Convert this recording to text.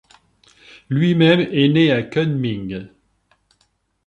Lui-même est né à Kunming.